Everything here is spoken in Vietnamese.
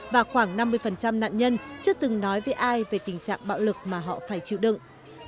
và khoảng năm mươi nạn nhân chưa từng nói với ai về tình trạng bạo lực mà họ phải chịu đựng